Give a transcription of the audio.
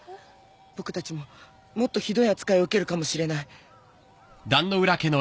僕たちももっとひどい扱いを受けるかもしれない。